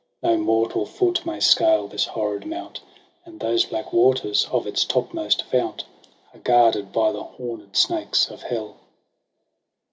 No mortal foot may scale this horrid mount. And those black waters of its topmost fount Are guarded by the horned snakes of hell.